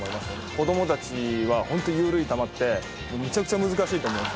子供たちはホント緩い球ってむちゃくちゃ難しいと思いますよ。